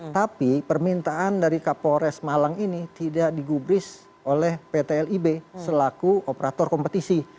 tapi permintaan dari kapolres malang ini tidak digubris oleh pt lib selaku operator kompetisi